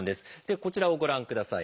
こちらをご覧ください。